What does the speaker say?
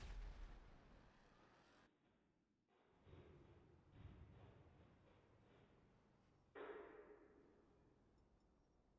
兴农牛队对此公开声明表示不干涉叶君璋加盟其他球队。